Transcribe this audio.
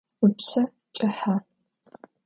Ipşse ç'ıhe.